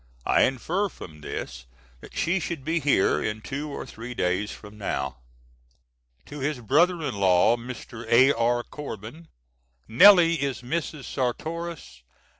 I infer from this that she should be here in two or three days from now. [To his brother in law, Mr. A.R. Corbin. "Nellie" is Mrs. Sartoris. Mr.